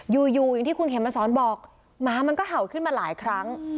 อยู่อย่างที่คุณเข็มมาสอนบอกหมามันก็เห่าขึ้นมาหลายครั้ง